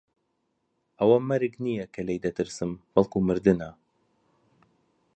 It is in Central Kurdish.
ئەوە مەرگ نییە کە لێی دەترسم، بەڵکوو مردنە.